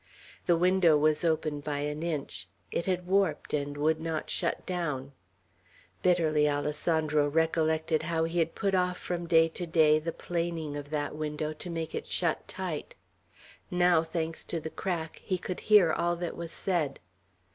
The window was open by an inch. It had warped, and would not shut down. Bitterly Alessandro recollected how he had put off from day to day the planing of that window to make it shut tight. Now, thanks to the crack, he could hear all that was said.